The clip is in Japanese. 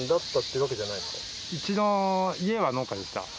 うちの家は農家でした。